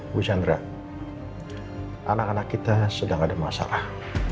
bu chandra anak anak kita sedang ada masalah